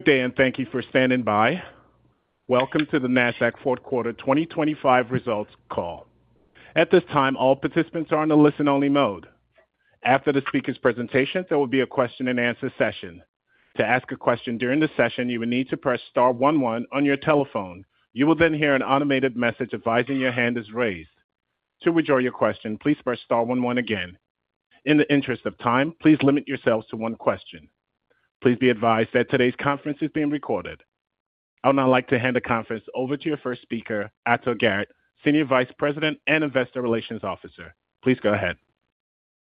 Good day, and thank you for standing by. Welcome to the Nasdaq fourth quarter 2025 results call. At this time, all participants are in a listen-only mode. After the speaker's presentation, there will be a question-and-answer session. To ask a question during the session, you will need to press star one one on your telephone. You will then hear an automated message advising your hand is raised. To withdraw your question, please press star one one again. In the interest of time, please limit yourselves to one question. Please be advised that today's conference is being recorded. I would now like to hand the conference over to your first speaker, Ato Garrett, Senior Vice President and Investor Relations Officer. Please go ahead.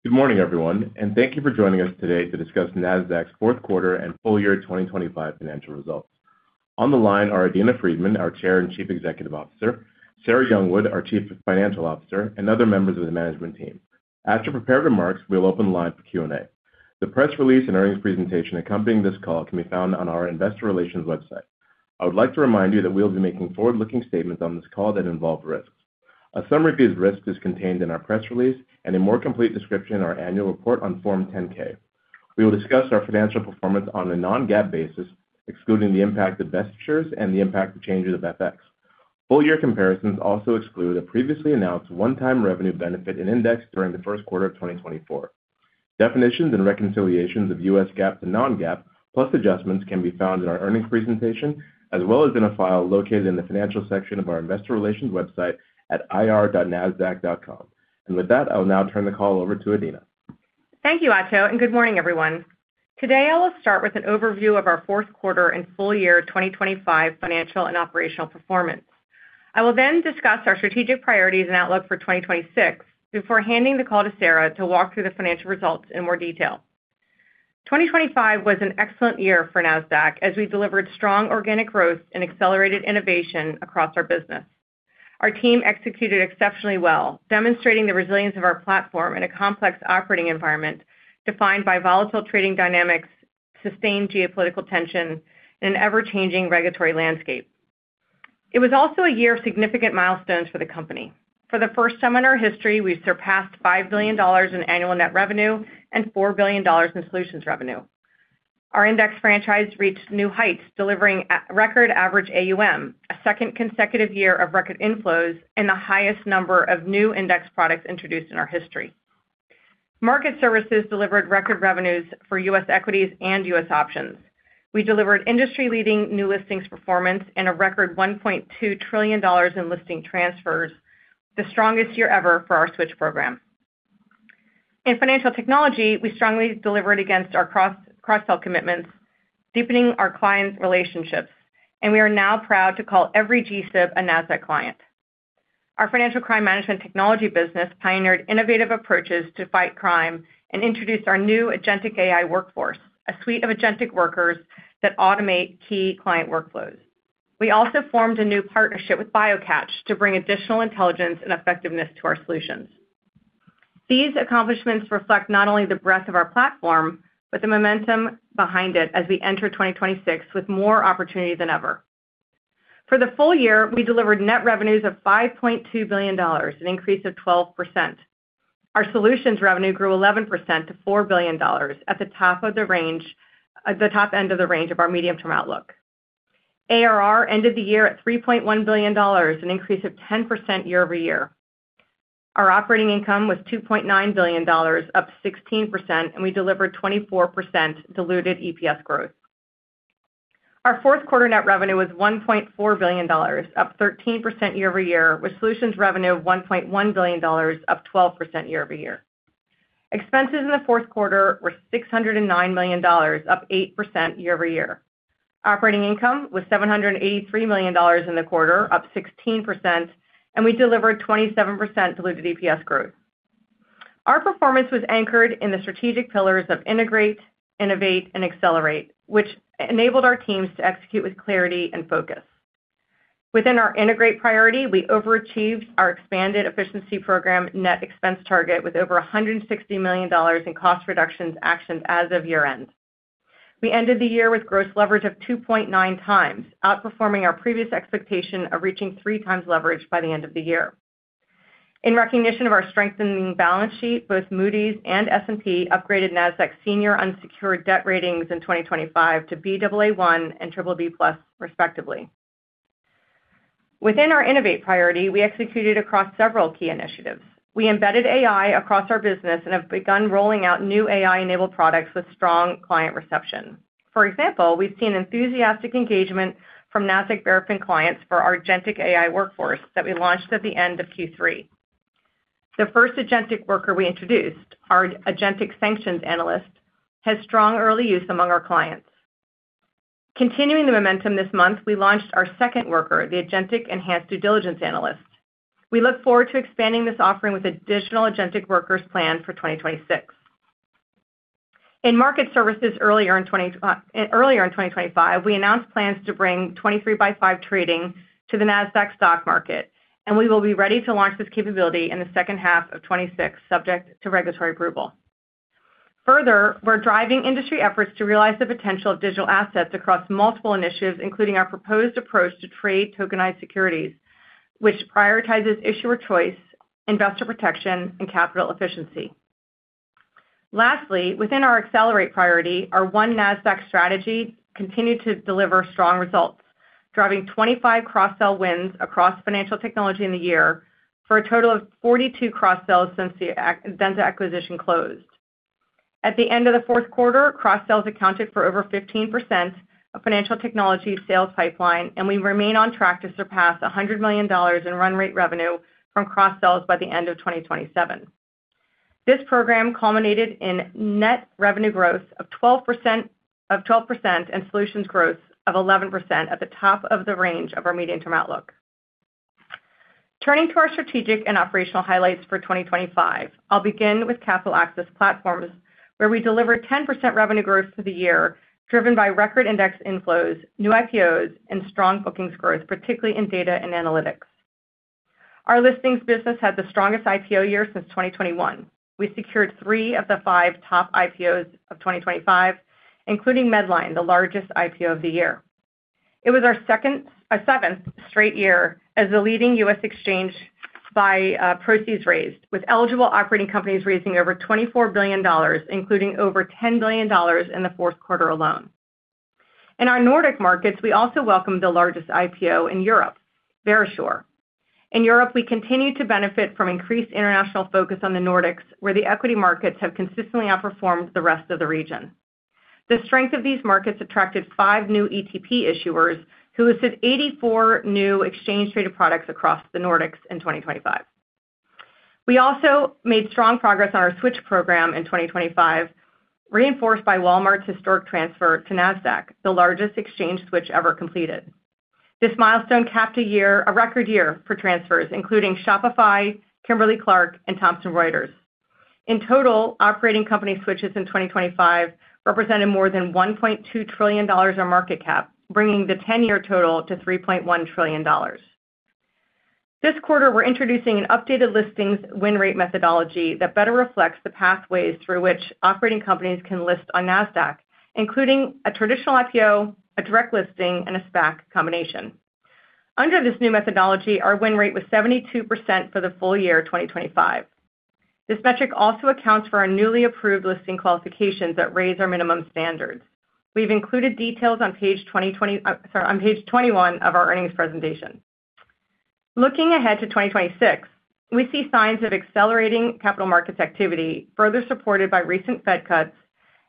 Good morning, everyone, and thank you for joining us today to discuss Nasdaq's fourth quarter and full year 2025 financial results. On the line are Adena Friedman, our Chair and Chief Executive Officer; Sarah Youngwood, our Chief Financial Officer; and other members of the management team. After prepared remarks, we'll open the line for Q&A. The press release and earnings presentation accompanying this call can be found on our Investor Relations website. I would like to remind you that we'll be making forward-looking statements on this call that involve risks. A summary of these risks is contained in our press release and a more complete description in our annual report on Form 10-K. We will discuss our financial performance on a non-GAAP basis, excluding the impact of vested shares and the impact of changes of FX. Full-year comparisons also exclude a previously announced one-time revenue benefit and index during the first quarter of 2024. Definitions and reconciliations of U.S. GAAP to non-GAAP, plus adjustments, can be found in our earnings presentation, as well as in a file located in the financial section of our Investor Relations website at ir.nasdaq.com. With that, I will now turn the call over to Adena. Thank you, Ato, and good morning, everyone. Today, I will start with an overview of our fourth quarter and full year 2025 financial and operational performance. I will then discuss our strategic priorities and outlook for 2026 before handing the call to Sarah to walk through the financial results in more detail. 2025 was an excellent year for Nasdaq as we delivered strong organic growth and accelerated innovation across our business. Our team executed exceptionally well, demonstrating the resilience of our platform in a complex operating environment defined by volatile trading dynamics, sustained geopolitical tension, and an ever-changing regulatory landscape. It was also a year of significant milestones for the company. For the first time in our history, we surpassed $5 billion in annual net revenue and $4 billion in solutions revenue. Our index franchise reached new heights, delivering record average AUM, a second consecutive year of record inflows, and the highest number of new index products introduced in our history. Market services delivered record revenues for U.S. equities and U.S. options. We delivered industry-leading new listings performance and a record $1.2 trillion in listing transfers, the strongest year ever for our switch program. In financial technology, we strongly delivered against our cross-sell commitments, deepening our client relationships, and we are now proud to call every G-SIB a Nasdaq client. Our financial crime management technology business pioneered innovative approaches to fight crime and introduced our new Agentic AI workforce, a suite of agentic workers that automate key client workflows. We also formed a new partnership with BioCatch to bring additional intelligence and effectiveness to our solutions. These accomplishments reflect not only the breadth of our platform, but the momentum behind it as we enter 2026 with more opportunity than ever. For the full year, we delivered net revenues of $5.2 billion, an increase of 12%. Our solutions revenue grew 11% to $4 billion, at the top of the range, at the top end of the range of our medium-term outlook. ARR ended the year at $3.1 billion, an increase of 10% year-over-year. Our operating income was $2.9 billion, up 16%, and we delivered 24% diluted EPS growth. Our fourth quarter net revenue was $1.4 billion, up 13% year-over-year, with solutions revenue of $1.1 billion, up 12% year-over-year. Expenses in the fourth quarter were $609 million, up 8% year-over-year. Operating income was $783 million in the quarter, up 16%, and we delivered 27% diluted EPS growth. Our performance was anchored in the strategic pillars of integrate, innovate, and accelerate, which enabled our teams to execute with clarity and focus. Within our integrate priority, we overachieved our expanded efficiency program net expense target with over $160 million in cost reductions actions as of year-end. We ended the year with gross leverage of 2.9 times, outperforming our previous expectation of reaching three times leverage by the end of the year. In recognition of our strengthening balance sheet, both Moody's and S&P upgraded Nasdaq's senior unsecured debt ratings in 2025 to Baa1 and BBB+, respectively. Within our innovate priority, we executed across several key initiatives. We embedded AI across our business and have begun rolling out new AI-enabled products with strong client reception. For example, we've seen enthusiastic engagement from Nasdaq Verafin clients for our Agentic AI workforce that we launched at the end of Q3. The first agentic worker we introduced, our Agentic sanctions analyst, has strong early use among our clients. Continuing the momentum this month, we launched our second worker, the Agentic enhanced due diligence analyst. We look forward to expanding this offering with additional agentic workers planned for 2026. In market services earlier in 2025, we announced plans to bring 23x5 trading to the Nasdaq Stock Market, and we will be ready to launch this capability in the second half of 2026, subject to regulatory approval. Further, we're driving industry efforts to realize the potential of digital assets across multiple initiatives, including our proposed approach to trade tokenized securities, which prioritizes issuer choice, investor protection, and capital efficiency. Lastly, within our accelerate priority, our One Nasdaq strategy continued to deliver strong results, driving 25 cross-sell wins across financial technology in the year for a total of 42 cross-sells since the Adenza acquisition closed. At the end of the fourth quarter, cross-sells accounted for over 15% of financial technology sales pipeline, and we remain on track to surpass $100 million in run rate revenue from cross-sells by the end of 2027. This program culminated in net revenue growth of 12% and solutions growth of 11% at the top of the range of our medium-term outlook. Turning to our strategic and operational highlights for 2025, I'll begin with capital access platforms, where we delivered 10% revenue growth for the year, driven by record index inflows, new IPOs, and strong bookings growth, particularly in data and analytics. Our listings business had the strongest IPO year since 2021. We secured three of the five top IPOs of 2025, including Medline, the largest IPO of the year. It was our second, our seventh straight year as the leading U.S. exchange by proceeds raised, with eligible operating companies raising over $24 billion, including over $10 billion in the fourth quarter alone. In our Nordic markets, we also welcomed the largest IPO in Europe, Verisure. In Europe, we continue to benefit from increased international focus on the Nordics, where the equity markets have consistently outperformed the rest of the region. The strength of these markets attracted five new ETP issuers, who listed 84 new exchange-traded products across the Nordics in 2025. We also made strong progress on our switch program in 2025, reinforced by Walmart's historic transfer to Nasdaq, the largest exchange switch ever completed. This milestone capped a year, a record year for transfers, including Shopify, Kimberly-Clark, and Thomson Reuters. In total, operating company switches in 2025 represented more than $1.2 trillion in market cap, bringing the 10-year total to $3.1 trillion. This quarter, we're introducing an updated listings win rate methodology that better reflects the pathways through which operating companies can list on Nasdaq, including a traditional IPO, a direct listing, and a SPAC combination. Under this new methodology, our win rate was 72% for the full year 2025. This metric also accounts for our newly approved listing qualifications that raise our minimum standards. We've included details on page 20, sorry, on page 21 of our earnings presentation. Looking ahead to 2026, we see signs of accelerating capital markets activity, further supported by recent Fed cuts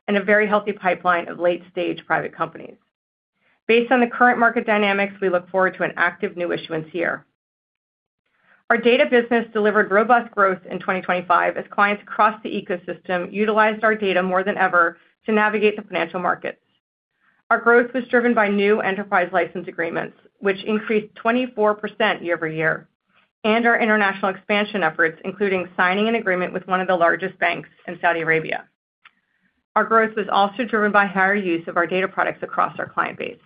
and a very healthy pipeline of late-stage private companies. Based on the current market dynamics, we look forward to an active new issuance year. Our data business delivered robust growth in 2025 as clients across the ecosystem utilized our data more than ever to navigate the financial markets. Our growth was driven by new enterprise license agreements, which increased 24% year-over-year, and our international expansion efforts, including signing an agreement with one of the largest banks in Saudi Arabia. Our growth was also driven by higher use of our data products across our client base.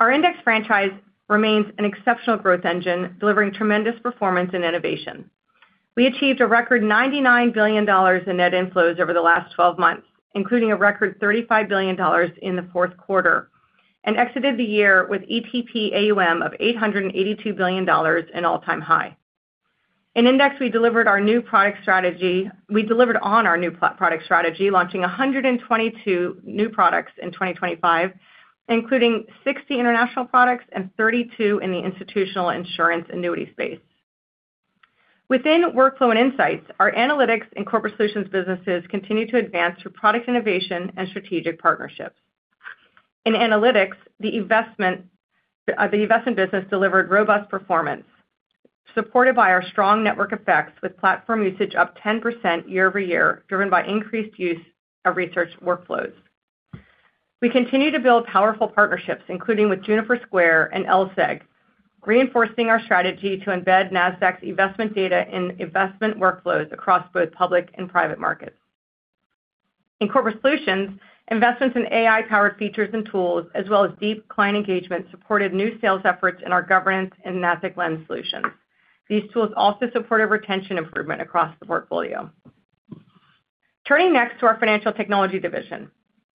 Our index franchise remains an exceptional growth engine, delivering tremendous performance and innovation. We achieved a record $99 billion in net inflows over the last 12 months, including a record $35 billion in the fourth quarter, and exited the year with ETP AUM of $882 billion, an all-time high. In index, we delivered our new product strategy. We delivered on our new product strategy, launching 122 new products in 2025, including 60 international products and 32 in the institutional insurance annuity space. Within workflow and insights, our analytics and corporate solutions businesses continue to advance through product innovation and strategic partnerships. In analytics, the investment, the investment business delivered robust performance, supported by our strong network effects with platform usage up 10% year-over-year, driven by increased use of research workflows. We continue to build powerful partnerships, including with Juniper Square and LSEG, reinforcing our strategy to embed Nasdaq's investment data in investment workflows across both public and private markets. In corporate solutions, investments in AI-powered features and tools, as well as deep client engagement, supported new sales efforts in our governance and Nasdaq Sustainable Lens solutions. These tools also supported retention improvement across the portfolio. Turning next to our financial technology division.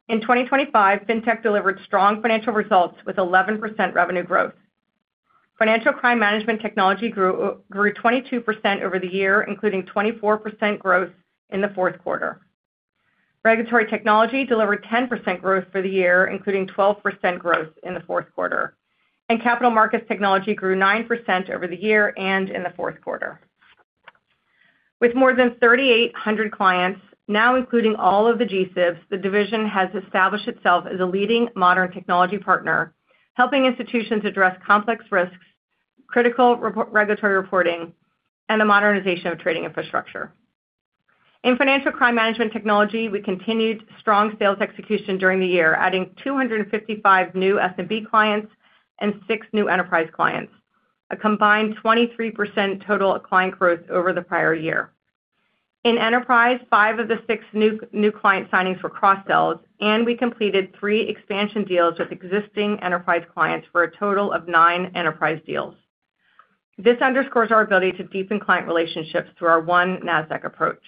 In 2025, FinTech delivered strong financial results with 11% revenue growth. Financial crime management technology grew 22% over the year, including 24% growth in the fourth quarter. Regulatory technology delivered 10% growth for the year, including 12% growth in the fourth quarter. Capital markets technology grew 9% over the year and in the fourth quarter. With more than 3,800 clients, now including all of the G-SIBs, the division has established itself as a leading modern technology partner, helping institutions address complex risks, critical regulatory reporting, and the modernization of trading infrastructure. In financial crime management technology, we continued strong sales execution during the year, adding 255 new S&B clients and six new enterprise clients, a combined 23% total client growth over the prior year. In enterprise, 5 of the 6 new client signings were cross-sells, and we completed 3 expansion deals with existing enterprise clients for a total of 9 enterprise deals. This underscores our ability to deepen client relationships through our one Nasdaq approach.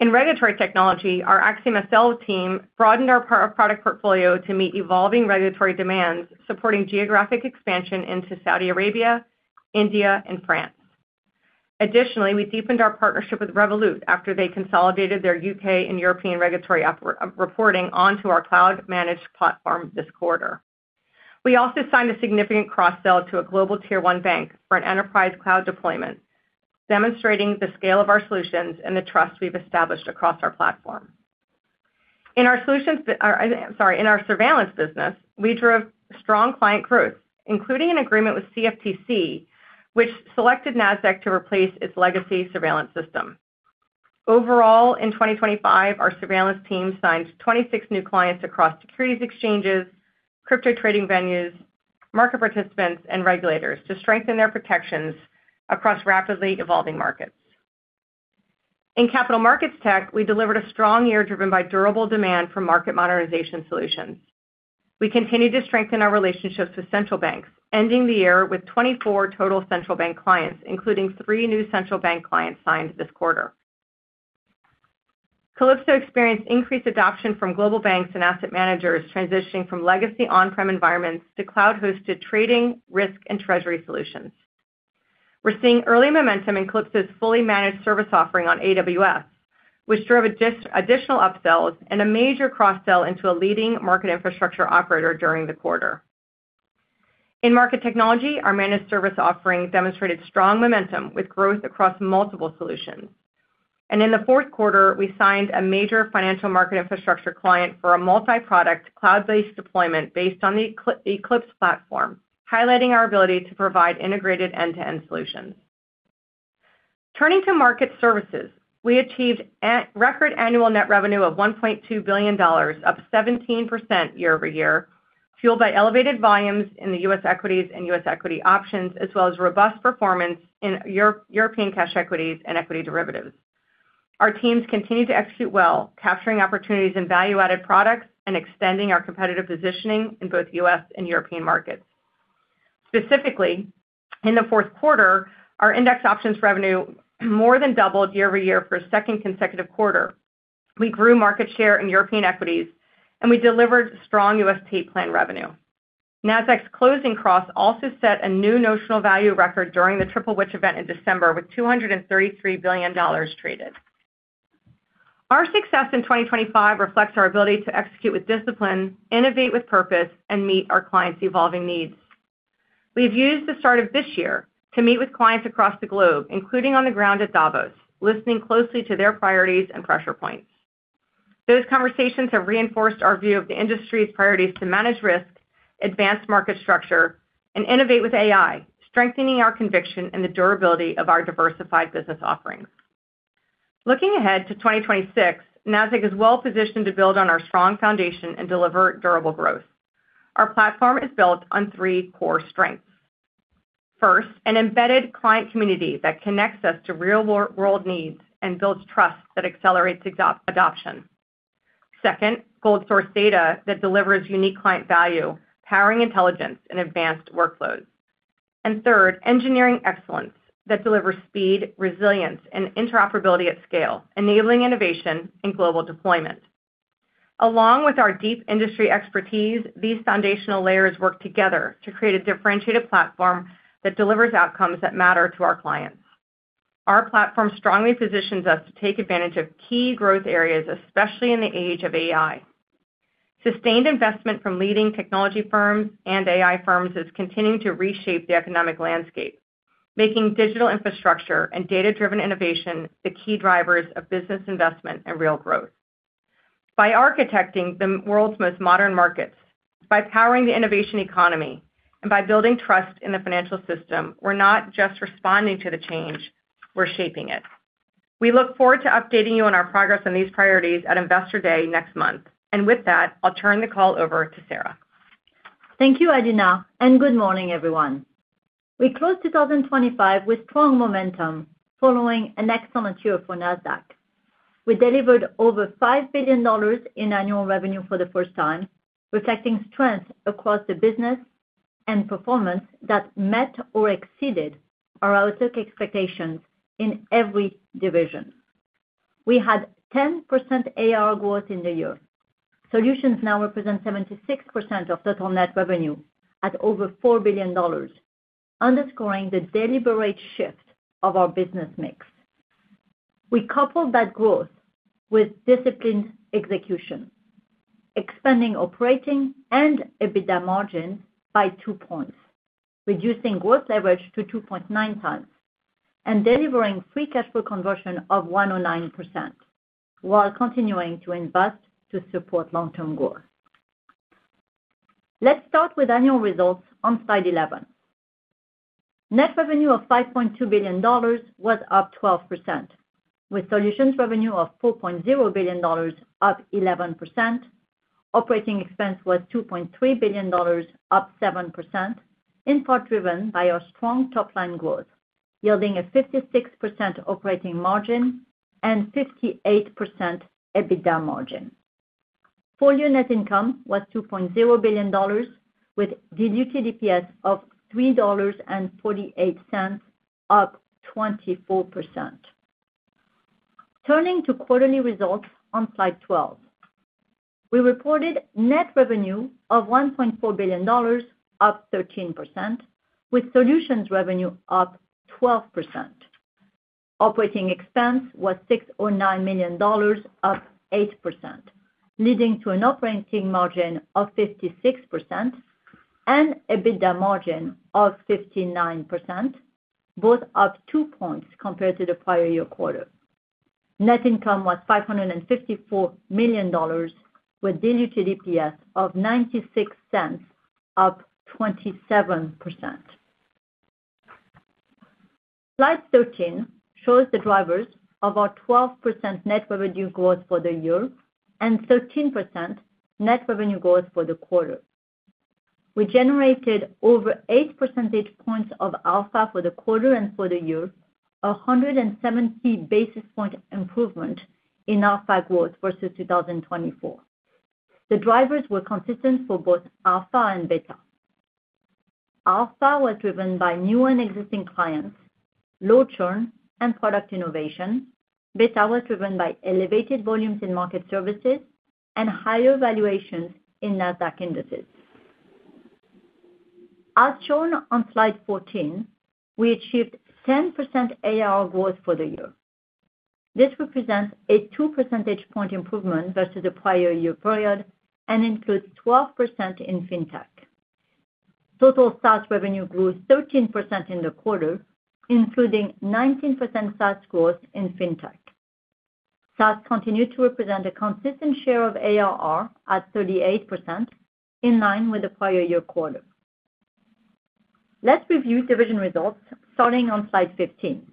In regulatory technology, our AxiomSL team broadened our product portfolio to meet evolving regulatory demands, supporting geographic expansion into Saudi Arabia, India, and France. Additionally, we deepened our partnership with Revolut after they consolidated their UK and European regulatory reporting onto our cloud-managed platform this quarter. We also signed a significant cross-sell to a global tier-one bank for an enterprise cloud deployment, demonstrating the scale of our solutions and the trust we've established across our platform. In our solutions, sorry, in our surveillance business, we drove strong client growth, including an agreement with CFTC, which selected Nasdaq to replace its legacy surveillance system. Overall, in 2025, our surveillance team signed 26 new clients across securities exchanges, crypto trading venues, market participants, and regulators to strengthen their protections across rapidly evolving markets. In capital markets tech, we delivered a strong year driven by durable demand for market modernization solutions. We continue to strengthen our relationships with central banks, ending the year with 24 total central bank clients, including 3 new central bank clients signed this quarter. Calypso experienced increased adoption from global banks and asset managers transitioning from legacy on-prem environments to cloud-hosted trading, risk, and treasury solutions. We're seeing early momentum in Calypso's fully managed service offering on AWS, which drove additional upsells and a major cross-sell into a leading market infrastructure operator during the quarter. In market technology, our managed service offering demonstrated strong momentum with growth across multiple solutions. In the fourth quarter, we signed a major financial market infrastructure client for a multi-product cloud-based deployment based on the Eclipse platform, highlighting our ability to provide integrated end-to-end solutions. Turning to market services, we achieved record annual net revenue of $1.2 billion, up 17% year-over-year, fueled by elevated volumes in the U.S. equities and U.S. equity options, as well as robust performance in European cash equities and equity derivatives. Our teams continue to execute well, capturing opportunities in value-added products and extending our competitive positioning in both U.S. and European markets. Specifically, in the fourth quarter, our index options revenue more than doubled year-over-year for a second consecutive quarter. We grew market share in European equities, and we delivered strong U.S. tape plan revenue. Nasdaq's closing cross also set a new notional value record during the Triple Witching event in December with $233 billion traded. Our success in 2025 reflects our ability to execute with discipline, innovate with purpose, and meet our clients' evolving needs. We have used the start of this year to meet with clients across the globe, including on the ground at Davos, listening closely to their priorities and pressure points. Those conversations have reinforced our view of the industry's priorities to manage risk, advance market structure, and innovate with AI, strengthening our conviction and the durability of our diversified business offerings. Looking ahead to 2026, Nasdaq is well positioned to build on our strong foundation and deliver durable growth. Our platform is built on three core strengths. First, an embedded client community that connects us to real-world needs and builds trust that accelerates adoption. Second, cold-source data that delivers unique client value, powering intelligence and advanced workflows. Third, engineering excellence that delivers speed, resilience, and interoperability at scale, enabling innovation in global deployment. Along with our deep industry expertise, these foundational layers work together to create a differentiated platform that delivers outcomes that matter to our clients. Our platform strongly positions us to take advantage of key growth areas, especially in the age of AI. Sustained investment from leading technology firms and AI firms is continuing to reshape the economic landscape, making digital infrastructure and data-driven innovation the key drivers of business investment and real growth. By architecting the world's most modern markets, by powering the innovation economy, and by building trust in the financial system, we're not just responding to the change. We're shaping it. We look forward to updating you on our progress on these priorities at Investor Day next month. And with that, I'll turn the call over to Sarah. Thank you, Adena. And good morning, everyone. We closed 2025 with strong momentum following an excellent year for Nasdaq. We delivered over $5 billion in annual revenue for the first time, reflecting strength across the business and performance that met or exceeded our outlook expectations in every division. We had 10% ARR growth in the year. Solutions now represent 76% of total net revenue at over $4 billion, underscoring the deliberate shift of our business mix. We coupled that growth with disciplined execution, expanding operating and EBITDA margins by two points, reducing growth leverage to 2.9 times, and delivering free cash flow conversion of 109% while continuing to invest to support long-term growth. Let's start with annual results on Slide 11. Net revenue of $5.2 billion was up 12%, with solutions revenue of $4.0 billion, up 11%. Operating expense was $2.3 billion, up 7%, in part driven by our strong top-line growth, yielding a 56% operating margin and 58% EBITDA margin. Full-year net income was $2.0 billion, with diluted EPS of $3.48, up 24%. Turning to quarterly results on Slide 12, we reported net revenue of $1.4 billion, up 13%, with solutions revenue up 12%. Operating expense was $609 million, up 8%, leading to an operating margin of 56% and EBITDA margin of 59%, both up two points compared to the prior year quarter. Net income was $554 million, with diluted EPS of $0.96, up 27%. Slide 13 shows the drivers of our 12% net revenue growth for the year and 13% net revenue growth for the quarter. We generated over 8 percentage points of alpha for the quarter and for the year, a 170 basis point improvement in alpha growth versus 2024. The drivers were consistent for both alpha and beta. Alpha was driven by new and existing clients, low churn, and product innovation. Beta was driven by elevated volumes in market services and higher valuations in Nasdaq indices. As shown on Slide 14, we achieved 10% ARR growth for the year. This represents a 2 percentage point improvement versus the prior year period and includes 12% in FinTech. Total SaaS revenue grew 13% in the quarter, including 19% SaaS growth in FinTech. SaaS continued to represent a consistent share of ARR at 38%, in line with the prior year quarter. Let's review division results starting on Slide 15.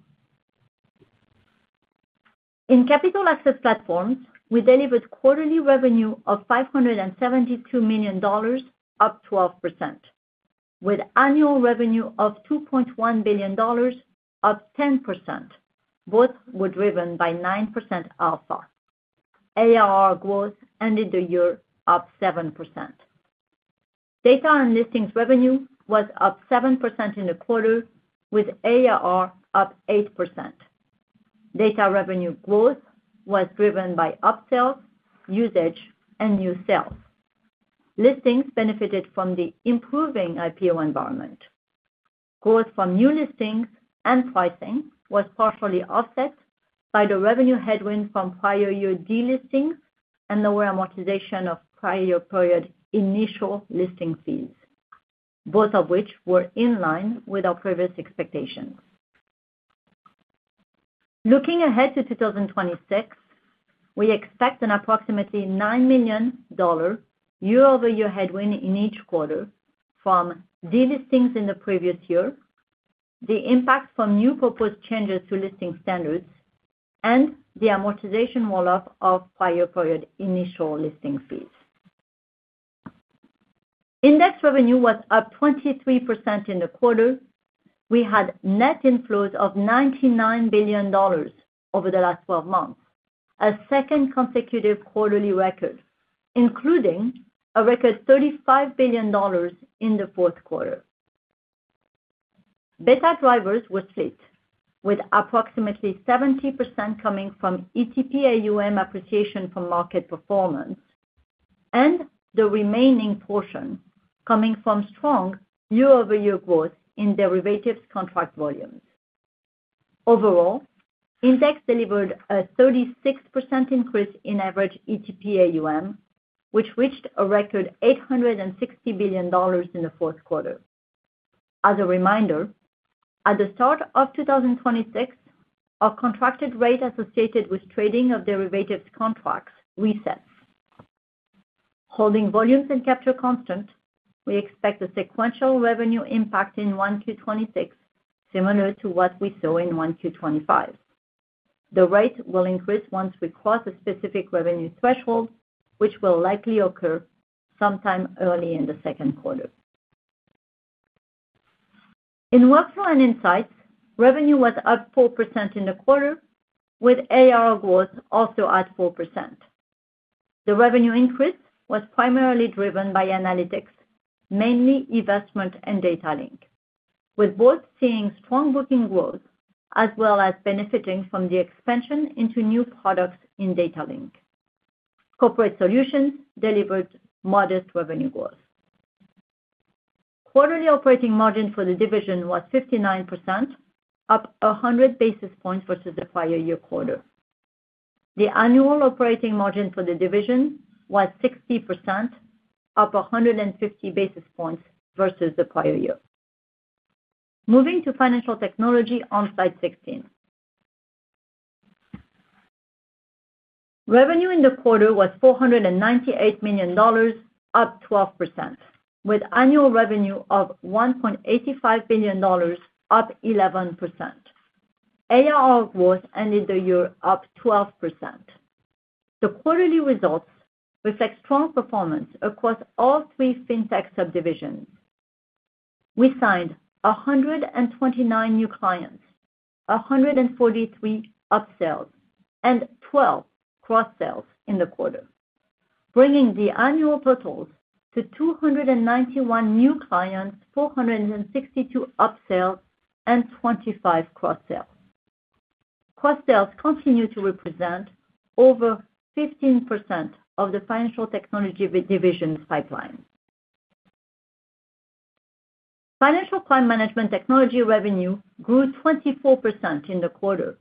In capital access platforms, we delivered quarterly revenue of $572 million, up 12%, with annual revenue of $2.1 billion, up 10%, both were driven by 9% alpha. ARR growth ended the year up 7%. Data and listings revenue was up 7% in the quarter, with ARR up 8%. Data revenue growth was driven by upsells, usage, and new sales. Listings benefited from the improving IPO environment. Growth from new listings and pricing was partially offset by the revenue headwind from prior year delistings and lower amortization of prior year period initial listing fees, both of which were in line with our previous expectations. Looking ahead to 2026, we expect an approximately $9 million year-over-year headwind in each quarter from delistings in the previous year, the impact from new proposed changes to listing standards, and the amortization roll-up of prior period initial listing fees. Index revenue was up 23% in the quarter. We had net inflows of $99 billion over the last 12 months, a second consecutive quarterly record, including a record $35 billion in the fourth quarter. Beta drivers were split, with approximately 70% coming from ETP AUM appreciation from market performance and the remaining portion coming from strong year-over-year growth in derivatives contract volumes. Overall, index delivered a 36% increase in average ETP AUM, which reached a record $860 billion in the fourth quarter. As a reminder, at the start of 2026, our contracted rate associated with trading of derivatives contracts resets. Holding volumes and capture constant, we expect a sequential revenue impact in Q1 2026, similar to what we saw in Q1 2025. The rate will increase once we cross a specific revenue threshold, which will likely occur sometime early in the second quarter. In workflow and insights, revenue was up 4% in the quarter, with ARR growth also at 4%. The revenue increase was primarily driven by Analytics, mainly Investment and Data Link, with both seeing strong booking growth as well as benefiting from the expansion into new products in Data Link. Corporate Solutions delivered modest revenue growth. Quarterly operating margin for the division was 59%, up 100 basis points versus the prior year quarter. The annual operating margin for the division was 60%, up 150 basis points versus the prior year. Moving to Financial Technology on Slide 16. Revenue in the quarter was $498 million, up 12%, with annual revenue of $1.85 billion, up 11%. ARR growth ended the year up 12%. The quarterly results reflect strong performance across all three FinTech subdivisions. We signed 129 new clients, 143 upsells, and 12 cross-sells in the quarter, bringing the annual totals to 291 new clients, 462 upsells, and 25 cross-sells. Cross-sells continue to represent over 15% of the financial technology division's pipeline. Financial Client Management Technology revenue grew 24% in the quarter,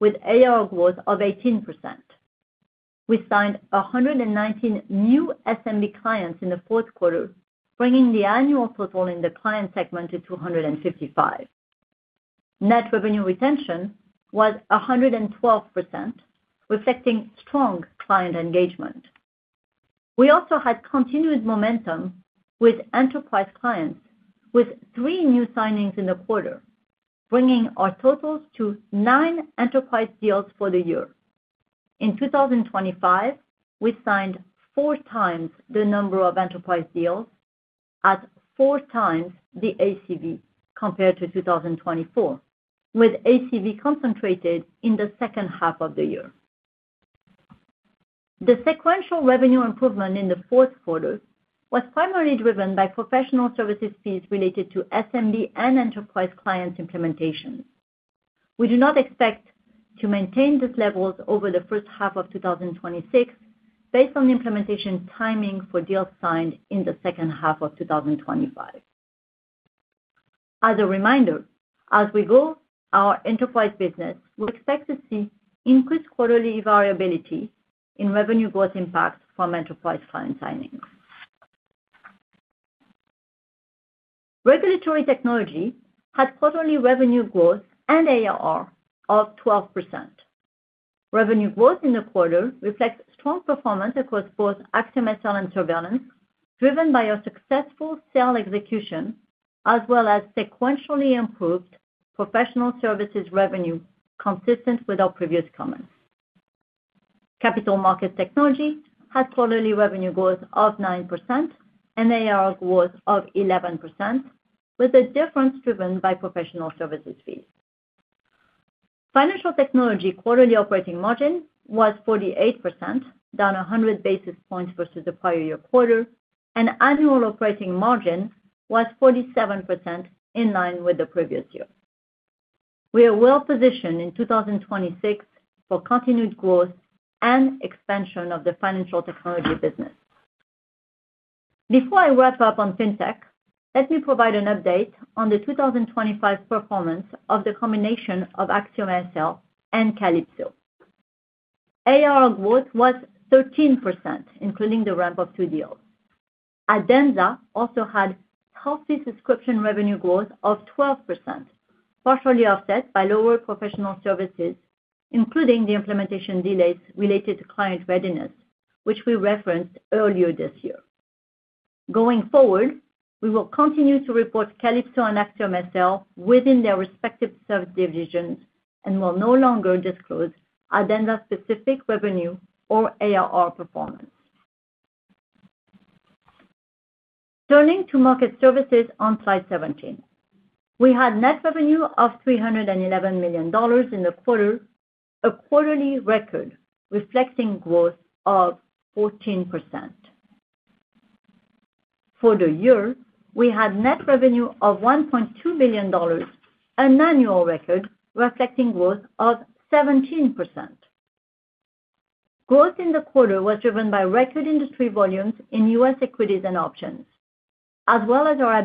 with ARR growth of 18%. We signed 119 new SMB clients in the fourth quarter, bringing the annual total in the client segment to 255. Net revenue retention was 112%, reflecting strong client engagement. We also had continued momentum with enterprise clients, with three new signings in the quarter, bringing our totals to nine enterprise deals for the year. In 2025, we signed four times the number of enterprise deals, at four times the ACV compared to 2024, with ACV concentrated in the second half of the year. The sequential revenue improvement in the fourth quarter was primarily driven by professional services fees related to SMB and enterprise client implementation. We do not expect to maintain these levels over the first half of 2026, based on the implementation timing for deals signed in the second half of 2025. As a reminder, as we go, our enterprise business will expect to see increased quarterly variability in revenue growth impact from enterprise client signings. Regulatory technology had quarterly revenue growth and ARR of 12%. Revenue growth in the quarter reflects strong performance across both AxiomSL and surveillance, driven by our successful AxiomSL execution, as well as sequentially improved professional services revenue consistent with our previous comments. Capital Markets Technology had quarterly revenue growth of 9% and ARR growth of 11%, with a difference driven by professional services fees. Financial Technology quarterly operating margin was 48%, down 100 basis points versus the prior year quarter, and annual operating margin was 47%, in line with the previous year. We are well positioned in 2026 for continued growth and expansion of the financial technology business. Before I wrap up on FinTech, let me provide an update on the 2025 performance of the combination of AxiomSL and Calypso. ARR growth was 13%, including the ramp of two deals. Adenza also had healthy subscription revenue growth of 12%, partially offset by lower professional services, including the implementation delays related to client readiness, which we referenced earlier this year. Going forward, we will continue to report Calypso and AxiomSL within their respective subdivisions and will no longer disclose Adenza-specific revenue or ARR performance. Turning to market services on Slide 17, we had net revenue of $311 million in the quarter, a quarterly record reflecting growth of 14%. For the year, we had net revenue of $1.2 billion, an annual record reflecting growth of 17%. Growth in the quarter was driven by record industry volumes in U.S. equities and options, as well as our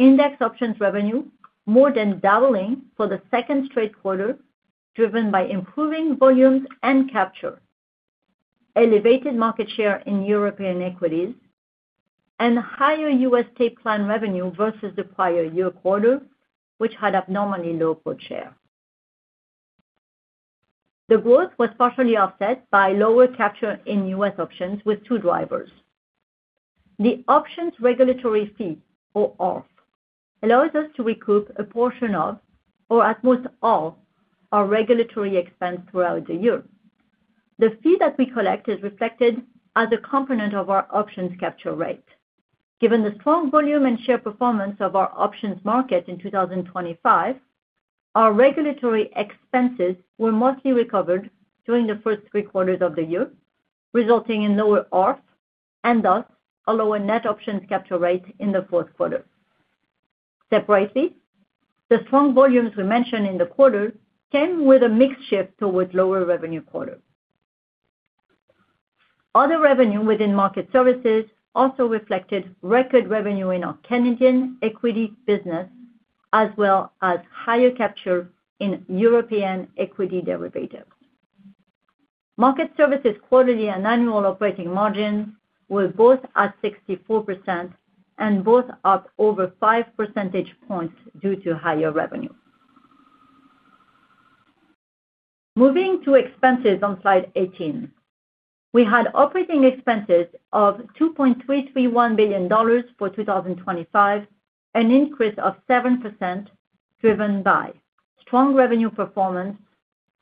ability to consistently deliver alpha, as reflected in index options revenue, more than doubling for the second straight quarter, driven by improving volumes and capture, elevated market share in European equities, and higher U.S. Paid Plan revenue versus the prior year quarter, which had abnormally low per share. The growth was partially offset by lower capture in U.S. options with two drivers. The options regulatory fee, or ORF, allows us to recoup a portion of, or at most all, our regulatory expense throughout the year. The fee that we collect is reflected as a component of our options capture rate. Given the strong volume and share performance of our options market in 2025, our regulatory expenses were mostly recovered during the first three quarters of the year, resulting in lower ARF and thus a lower net options capture rate in the fourth quarter. Separately, the strong volumes we mentioned in the quarter came with a mixed shift towards lower revenue quarter. Other revenue within market services also reflected record revenue in our Canadian equity business, as well as higher capture in European equity derivatives. Market services quarterly and annual operating margins were both at 64% and both up over 5 percentage points due to higher revenue. Moving to expenses on Slide 18, we had operating expenses of $2.331 billion for 2025, an increase of 7% driven by strong revenue performance,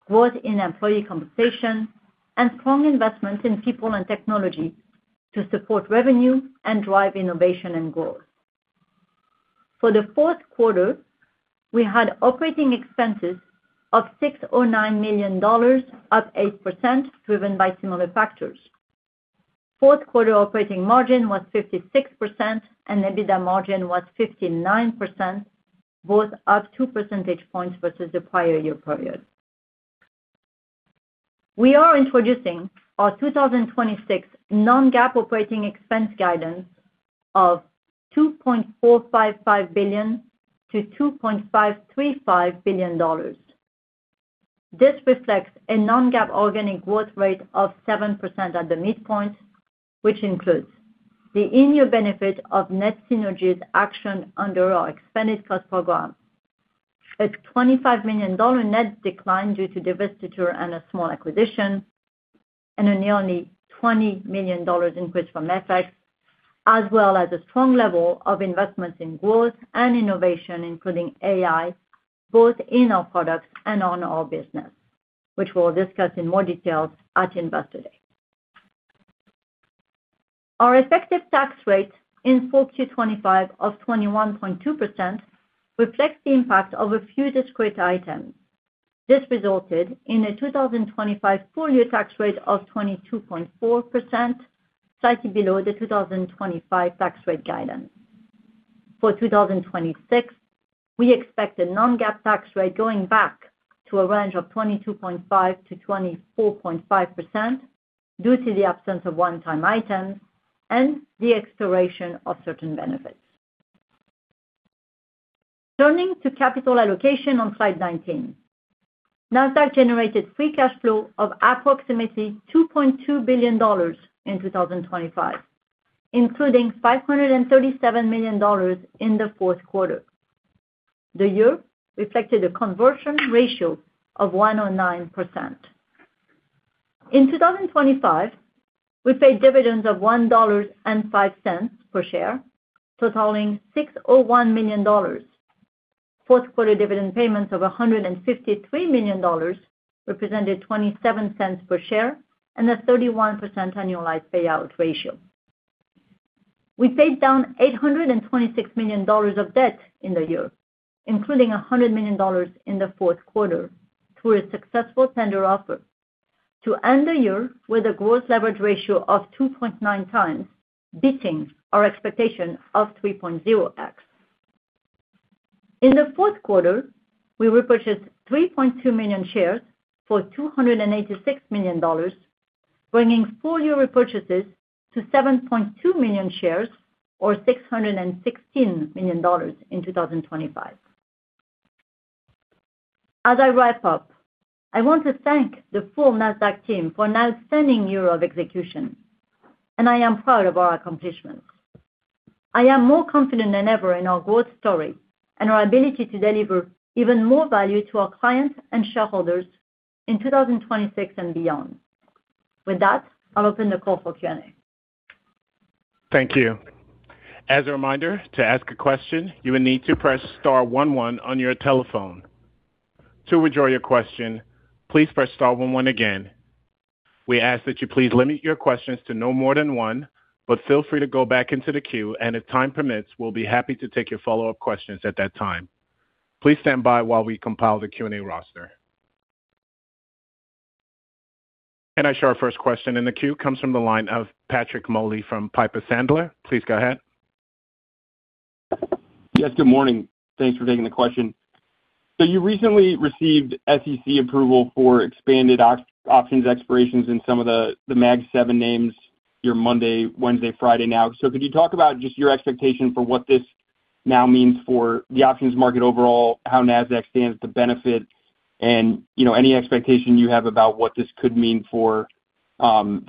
growth in employee compensation, and strong investment in people and technology to support revenue and drive innovation and growth. For the fourth quarter, we had operating expenses of $609 million, up 8%, driven by similar factors. Fourth quarter operating margin was 56%, and EBITDA margin was 59%, both up 2 percentage points versus the prior year period. We are introducing our 2026 non-GAAP operating expense guidance of $2.455 billion-$2.535 billion. This reflects a non-GAAP organic growth rate of 7% at the midpoint, which includes the in-year benefit of net synergies action under our expanded cost program, a $25 million net decline due to divestiture and a small acquisition, and a nearly $20 million increase from FX, as well as a strong level of investments in growth and innovation, including AI, both in our products and on our business, which we'll discuss in more detail at investor day. Our effective tax rate in Q225 of 21.2% reflects the impact of a few discrete items. This resulted in a 2025 full-year tax rate of 22.4%, slightly below the 2025 tax rate guidance. For 2026, we expect a non-GAAP tax rate going back to a range of 22.5%-24.5% due to the absence of one-time items and the expiration of certain benefits. Turning to capital allocation on Slide 19, Nasdaq generated free cash flow of approximately $2.2 billion in 2025, including $537 million in the fourth quarter. The year reflected a conversion ratio of 109%. In 2025, we paid dividends of $1.05 per share, totaling $601 million. Fourth quarter dividend payments of $153 million represented $0.27 per share and a 31% annualized payout ratio. We paid down $826 million of debt in the year, including $100 million in the fourth quarter, through a successful tender offer, to end the year with a gross leverage ratio of 2.9x, beating our expectation of 3.0x. In the fourth quarter, we repurchased 3.2 million shares for $286 million, bringing full-year repurchases to 7.2 million shares, or $616 million in 2025. As I wrap up, I want to thank the full Nasdaq team for an outstanding year of execution, and I am proud of our accomplishments. I am more confident than ever in our growth story and our ability to deliver even more value to our clients and shareholders in 2026 and beyond. With that, I'll open the call for Q&A. Thank you. As a reminder, to ask a question, you will need to press star one one on your telephone. To withdraw your question, please press star one one again. We ask that you please limit your questions to no more than one, but feel free to go back into the queue, and if time permits, we'll be happy to take your follow-up questions at that time. Please stand by while we compile the Q&A roster. Our first question in the queue comes from the line of Patrick Moley from Piper Sandler. Please go ahead. Yes, good morning. Thanks for taking the question. So you recently received SEC approval for expanded options expirations in some of the Mag 7 names, your Monday, Wednesday, Friday now. So could you talk about just your expectation for what this now means for the options market overall, how Nasdaq stands to benefit, and any expectation you have about what this could mean for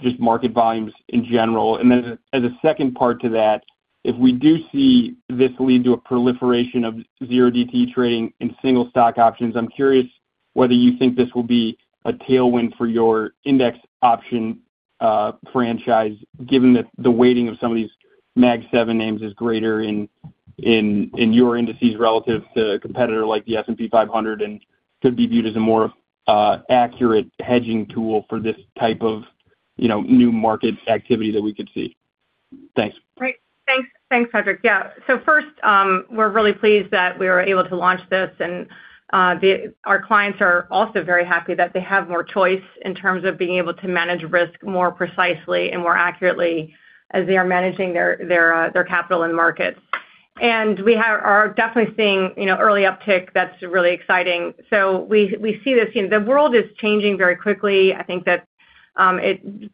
just market volumes in general? And then as a second part to that, if we do see this lead to a proliferation of 0DTE trading in single stock options, I'm curious whether you think this will be a tailwind for your index option franchise, given that the weighting of some of these Mag 7 names is greater in your indices relative to a competitor like the S&P 500 and could be viewed as a more accurate hedging tool for this type of new market activity that we could see. Thanks. Great. Thanks, Patrick. Yeah. So first, we're really pleased that we were able to launch this, and our clients are also very happy that they have more choice in terms of being able to manage risk more precisely and more accurately as they are managing their capital in the markets. And we are definitely seeing early uptick. That's really exciting. So we see this. The world is changing very quickly. I think that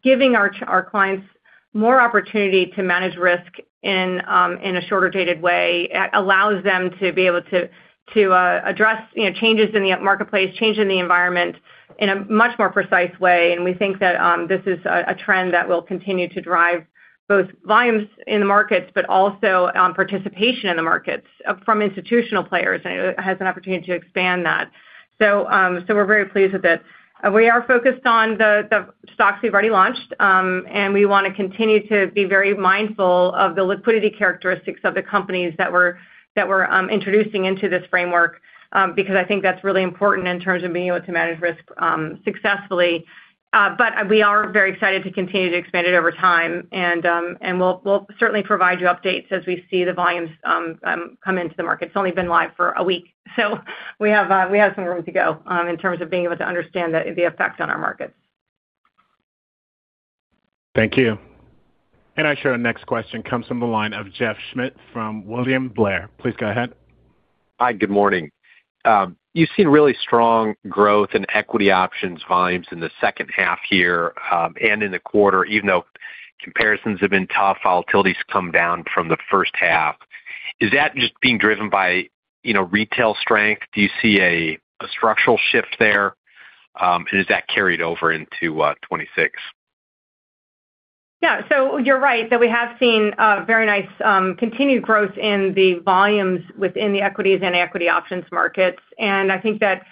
giving our clients more opportunity to manage risk in a shorter-dated way allows them to be able to address changes in the marketplace, change in the environment in a much more precise way. And we think that this is a trend that will continue to drive both volumes in the markets, but also participation in the markets from institutional players, and it has an opportunity to expand that. So we're very pleased with it. We are focused on the stocks we've already launched, and we want to continue to be very mindful of the liquidity characteristics of the companies that we're introducing into this framework because I think that's really important in terms of being able to manage risk successfully. But we are very excited to continue to expand it over time, and we'll certainly provide you updates as we see the volumes come into the market. It's only been live for a week, so we have some room to go in terms of being able to understand the effect on our markets. Thank you. And our next question comes from the line of Jeff Schmitt from William Blair. Please go ahead. Hi, good morning. You've seen really strong growth in equity options volumes in the second half here and in the quarter, even though comparisons have been tough. Volatilities come down from the first half. Is that just being driven by retail strength? Do you see a structural shift there, and is that carried over into 2026? Yeah. So you're right that we have seen very nice continued growth in the volumes within the equities and equity options markets. And I think that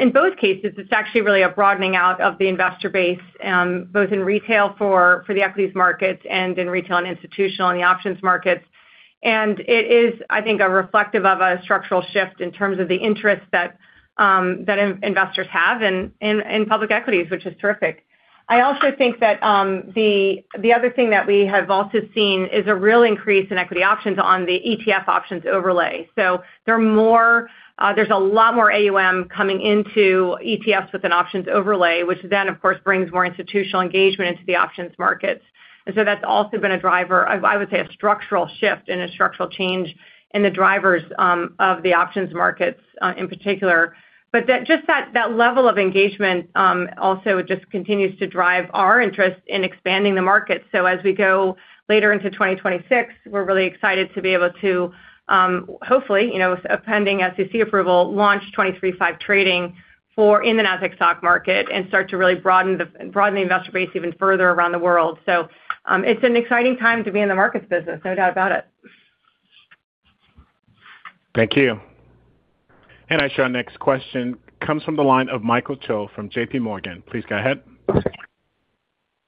in both cases, it's actually really a broadening out of the investor base, both in retail for the equities markets and in retail and institutional and the options markets. And it is, I think, a reflective of a structural shift in terms of the interest that investors have in public equities, which is terrific. I also think that the other thing that we have also seen is a real increase in equity options on the ETF options overlay. So there's a lot more AUM coming into ETFs with an options overlay, which then, of course, brings more institutional engagement into the options markets. And so that's also been a driver, I would say, a structural shift and a structural change in the drivers of the options markets in particular. But just that level of engagement also just continues to drive our interest in expanding the markets. So as we go later into 2026, we're really excited to be able to, hopefully, pending SEC approval, launch 23x5 trading in the Nasdaq Stock Market and start to really broaden the investor base even further around the world. So it's an exciting time to be in the markets business, no doubt about it. Thank you. And our next question comes from the line of Michael Cho from J.P. Morgan. Please go ahead.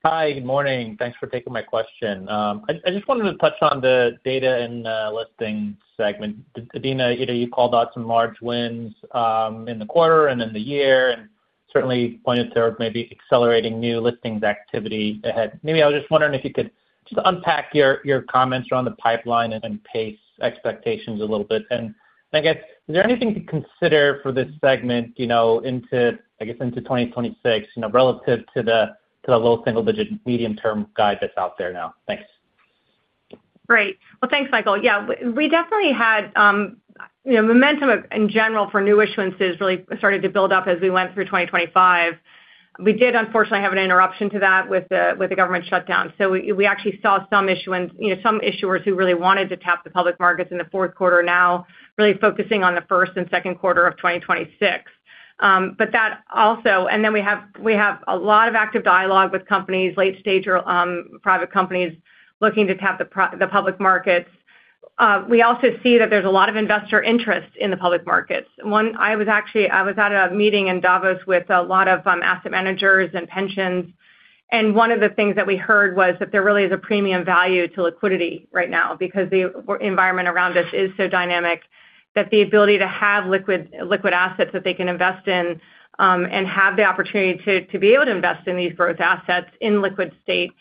Hi, good morning. Thanks for taking my question. I just wanted to touch on the data and listing segment. Adena, you called out some large wins in the quarter and in the year and certainly pointed to maybe accelerating new listings activity ahead. Maybe I was just wondering if you could just unpack your comments around the pipeline and pace expectations a little bit. And I guess, is there anything to consider for this segment, I guess, into 2026 relative to the low single-digit medium-term guide that's out there now? Thanks. Great. Well, thanks, Michael. Yeah. We definitely had momentum in general for new issuances really started to build up as we went through 2025. We did, unfortunately, have an interruption to that with the government shutdown. So we actually saw some issuers who really wanted to tap the public markets in the fourth quarter now really focusing on the first and second quarter of 2026. But that also, and then we have a lot of active dialogue with companies, late-stage private companies looking to tap the public markets. We also see that there's a lot of investor interest in the public markets. I was actually at a meeting in Davos with a lot of asset managers and pensions. And one of the things that we heard was that there really is a premium value to liquidity right now because the environment around us is so dynamic that the ability to have liquid assets that they can invest in and have the opportunity to be able to invest in these growth assets in liquid state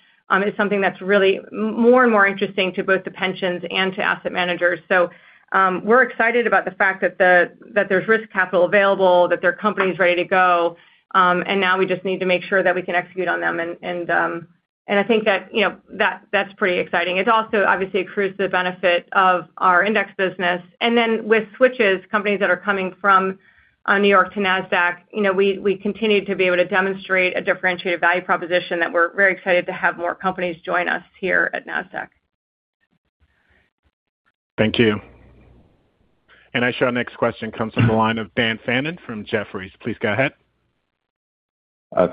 is something that's really more and more interesting to both the pensions and to asset managers. So we're excited about the fact that there's risk capital available, that their company is ready to go, and now we just need to make sure that we can execute on them. And I think that that's pretty exciting. It also, obviously, accrues the benefit of our index business. And then with switches, companies that are coming from New York to Nasdaq, we continue to be able to demonstrate a differentiated value proposition that we're very excited to have more companies join us here at Nasdaq. Thank you. And our next question comes from the line of Dan Fannon from Jefferies. Please go ahead.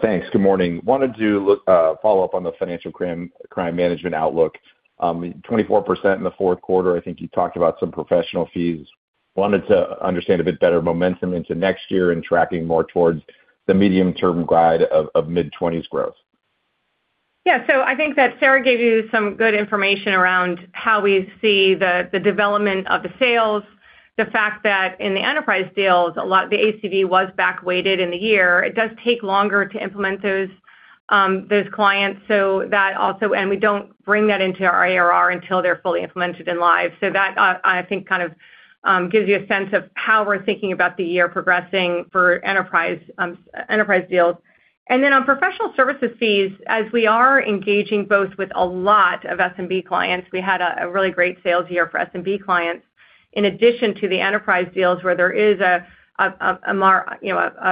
Thanks. Good morning. Wanted to follow up on the financial crime management outlook. 24% in the fourth quarter, I think you talked about some professional fees. Wanted to understand a bit better momentum into next year and tracking more towards the medium-term guide of mid-20s growth. Yeah. So I think that Sarah gave you some good information around how we see the development of the sales, the fact that in the enterprise deals, the ACV was back-weighted in the year. It does take longer to implement those clients. So that also, and we don't bring that into our ARR until they're fully implemented and live. So that, I think, kind of gives you a sense of how we're thinking about the year progressing for enterprise deals. And then on professional services fees, as we are engaging both with a lot of S&B clients, we had a really great sales year for S&B clients. In addition to the enterprise deals where there is, I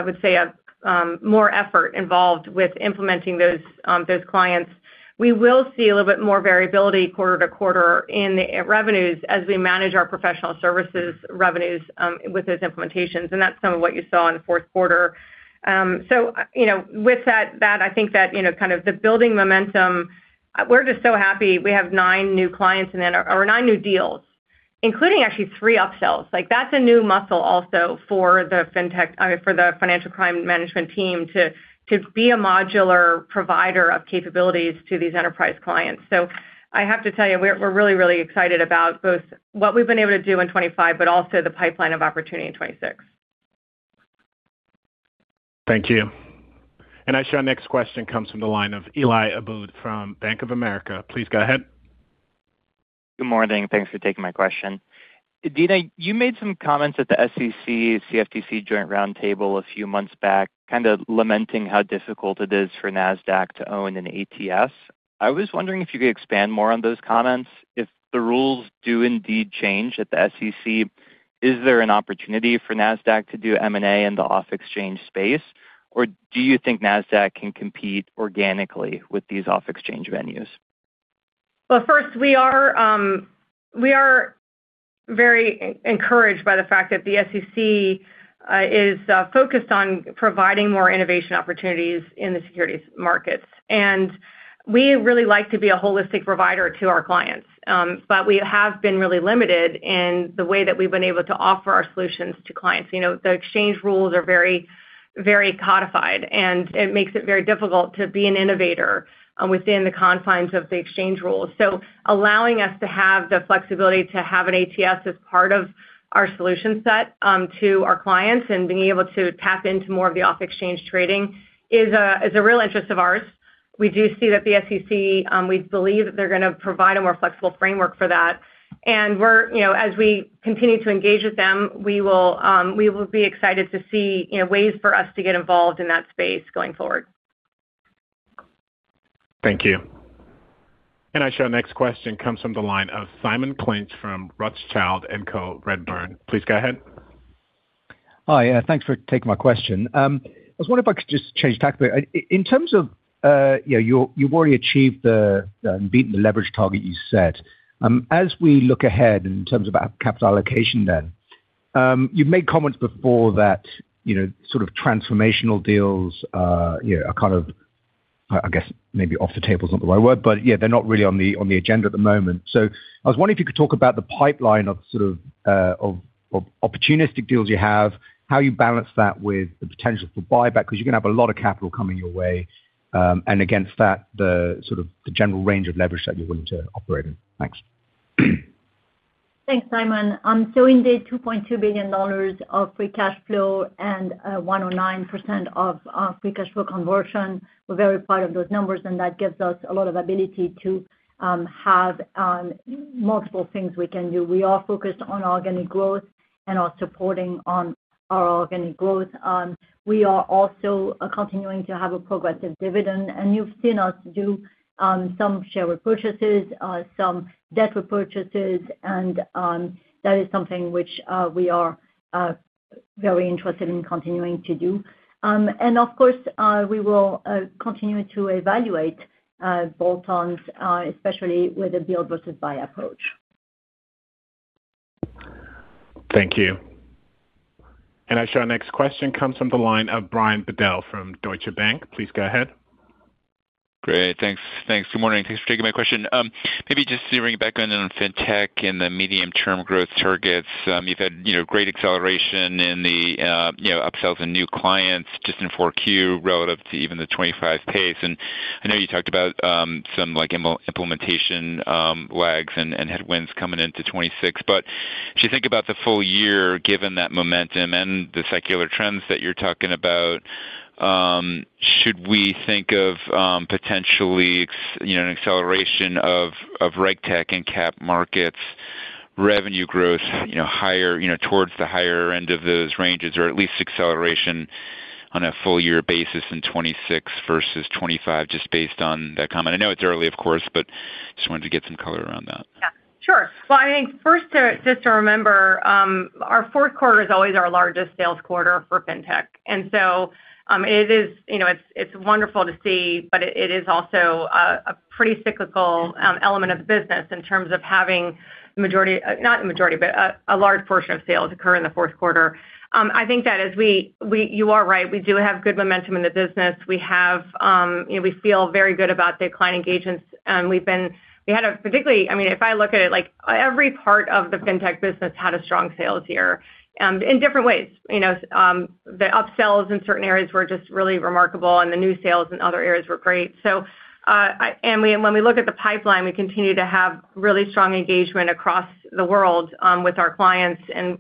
would say, more effort involved with implementing those clients, we will see a little bit more variability quarter to quarter in the revenues as we manage our professional services revenues with those implementations. That's some of what you saw in the fourth quarter. With that, I think that kind of the building momentum, we're just so happy we have 9 new clients in our 9 new deals, including actually 3 upsells. That's a new muscle also for the FinTech, for the financial crime management team to be a modular provider of capabilities to these enterprise clients. So I have to tell you, we're really, really excited about both what we've been able to do in 2025, but also the pipeline of opportunity in 2026. Thank you. Our next question comes from the line of Elias Abboud from Bank of America. Please go ahead. Good morning. Thanks for taking my question. Adena, you made some comments at the SEC CFTC joint roundtable a few months back, kind of lamenting how difficult it is for Nasdaq to own an ATS. I was wondering if you could expand more on those comments. If the rules do indeed change at the SEC, is there an opportunity for Nasdaq to do M&A in the off-exchange space, or do you think Nasdaq can compete organically with these off-exchange venues? Well, first, we are very encouraged by the fact that the SEC is focused on providing more innovation opportunities in the securities markets. And we really like to be a holistic provider to our clients, but we have been really limited in the way that we've been able to offer our solutions to clients. The exchange rules are very codified, and it makes it very difficult to be an innovator within the confines of the exchange rules. So allowing us to have the flexibility to have an ATS as part of our solution set to our clients and being able to tap into more of the off-exchange trading is a real interest of ours. We do see that the SEC. We believe that they're going to provide a more flexible framework for that. And as we continue to engage with them, we will be excited to see ways for us to get involved in that space going forward. Thank you. And our next question comes from the line of Simon Clinch from Rothschild & Co. Redburn. Please go ahead. Hi. Thanks for taking my question. I was wondering if I could just change tack a bit. In terms of, you've already achieved and beaten the leverage target you set. As we look ahead in terms of capital allocation then, you've made comments before that sort of transformational deals are kind of, I guess, maybe off the table is not the right word, but yeah, they're not really on the agenda at the moment. So I was wondering if you could talk about the pipeline of sort of opportunistic deals you have, how you balance that with the potential for buyback because you're going to have a lot of capital coming your way. And against that, the sort of general range of leverage that you're willing to operate in. Thanks. Thanks, Simon. So indeed, $2.2 billion of free cash flow and 109% of free cash flow conversion. We're very proud of those numbers, and that gives us a lot of ability to have multiple things we can do. We are focused on organic growth and our supporting on our organic growth. We are also continuing to have a progressive dividend, and you've seen us do some share repurchases, some debt repurchases, and that is something which we are very interested in continuing to do. And of course, we will continue to evaluate bolt-ons, especially with a build versus buy approach. Thank you. And I share our next question comes from the line of Brian Bedell from Deutsche Bank. Please go ahead. Great. Thanks. Good morning. Thanks for taking my question. Maybe just to ring back on FinTech and the medium-term growth targets. You've had great acceleration in the upsells and new clients just in Q4 relative to even the 2025 pace. I know you talked about some implementation lags and headwinds coming into 2026. But if you think about the full year, given that momentum and the secular trends that you're talking about, should we think of potentially an acceleration of RegTech and cap markets revenue growth higher towards the higher end of those ranges, or at least acceleration on a full-year basis in 2026 versus 2025, just based on that comment? I know it's early, of course, but just wanted to get some color around that. Yeah. Sure. Well, I think first, just to remember, our fourth quarter is always our largest sales quarter for FinTech. And so it is wonderful to see, but it is also a pretty cyclical element of the business in terms of having the majority, not the majority, but a large portion of sales occur in the fourth quarter. I think that as you are right, we do have good momentum in the business. We feel very good about the client engagements. We had a particularly, I mean, if I look at it, every part of the FinTech business had a strong sales year in different ways. The upsells in certain areas were just really remarkable, and the new sales in other areas were great. And when we look at the pipeline, we continue to have really strong engagement across the world with our clients and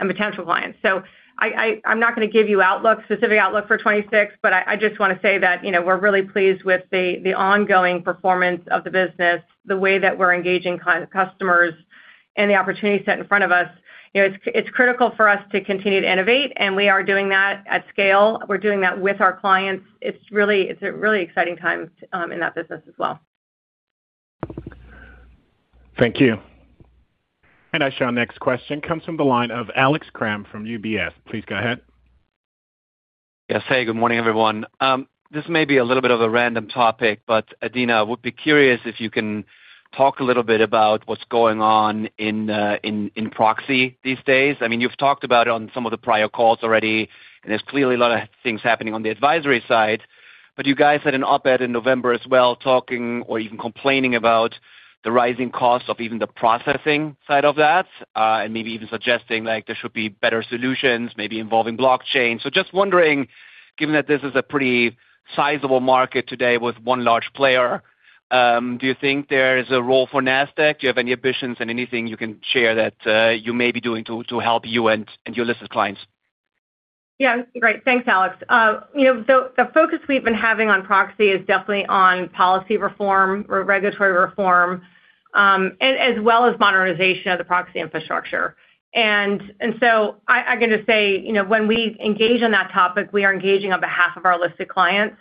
potential clients. So I'm not going to give you specific outlook for 2026, but I just want to say that we're really pleased with the ongoing performance of the business, the way that we're engaging customers, and the opportunity set in front of us. It's critical for us to continue to innovate, and we are doing that at scale. We're doing that with our clients. It's a really exciting time in that business as well. Thank you. And I share our next question comes from the line of Alex Kramm from UBS. Please go ahead. Yes. Hey, good morning, everyone. This may be a little bit of a random topic, but Adena, I would be curious if you can talk a little bit about what's going on in proxy these days. I mean, you've talked about it on some of the prior calls already, and there's clearly a lot of things happening on the advisory side. But you guys had an op-ed in November as well talking or even complaining about the rising cost of even the processing side of that and maybe even suggesting there should be better solutions, maybe involving blockchain. So just wondering, given that this is a pretty sizable market today with one large player, do you think there is a role for Nasdaq? Do you have any ambitions and anything you can share that you may be doing to help you and your listed clients? Yeah. That'd be great. Thanks, Alex. The focus we've been having on proxy is definitely on policy reform, regulatory reform, as well as modernization of the proxy infrastructure. I can just say when we engage on that topic, we are engaging on behalf of our listed clients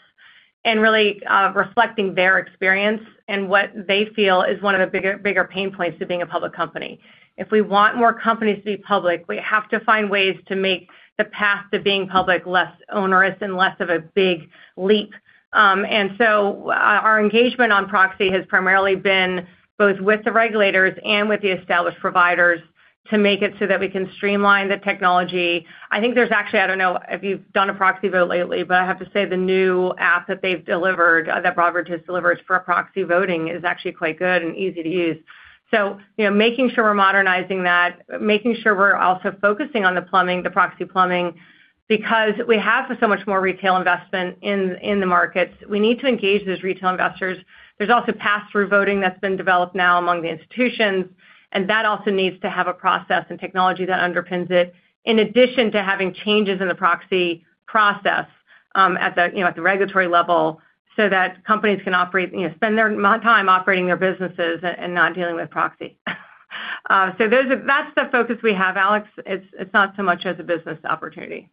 and really reflecting their experience and what they feel is one of the bigger pain points to being a public company. If we want more companies to be public, we have to find ways to make the path to being public less onerous and less of a big leap. Our engagement on proxy has primarily been both with the regulators and with the established providers to make it so that we can streamline the technology. I think there's actually, I don't know if you've done a proxy vote lately, but I have to say the new app that they've delivered, that Broadridge has delivered for proxy voting is actually quite good and easy to use. So making sure we're modernizing that, making sure we're also focusing on the proxy plumbing because we have so much more retail investment in the markets. We need to engage those retail investors. There's also pass-through voting that's been developed now among the institutions, and that also needs to have a process and technology that underpins it, in addition to having changes in the proxy process at the regulatory level so that companies can spend their time operating their businesses and not dealing with proxy. So that's the focus we have, Alex. It's not so much as a business opportunity.